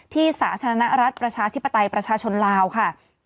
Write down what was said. สาธารณรัฐประชาธิปไตยประชาชนลาวค่ะ